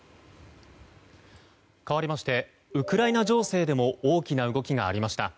かわりましてウクライナ情勢でも大きな動きがありました。